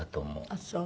あっそう。